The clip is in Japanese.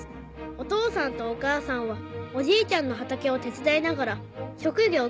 「お父さんとお母さんはおじいちゃんの畑を手伝いながらしょくぎょう